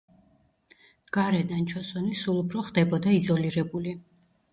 გარედან ჩოსონი სულ უფრო ხდებოდა იზოლირებული.